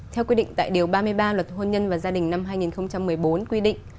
theo quy định tại điều ba mươi ba luật hôn nhân và gia đình năm hai nghìn một mươi bốn quy định